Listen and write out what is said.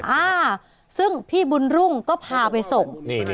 อ่าซึ่งพี่บุญรุ่งก็พาไปส่ง